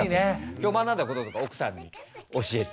今日学んだこととか奥さんに教えて。